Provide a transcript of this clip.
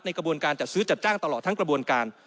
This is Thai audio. กระบวนการจัดซื้อจัดจ้างตลอดทั้งกระบวนการ